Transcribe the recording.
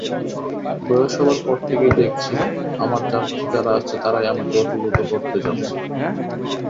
বয়স হবার পর থেকেই দেখছি আমার চারপাশে যারা আসছে তারাই আমাকে অভিভূত করতে চাচ্ছে।